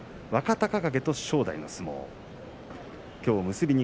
若隆景と正代の相撲です。